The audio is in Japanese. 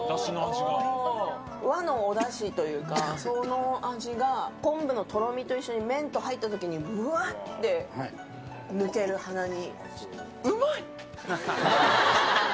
和のおだしというか、その味が、昆布のとろみと一緒に麺と入ったときに、ぶわーって抜ける、うまいっ！